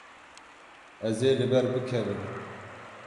Ez ê li ber bikevim.